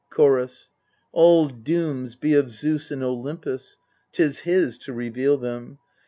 Chorus. All dooms be of Zeus in Olympus; 'tis his to reveal them.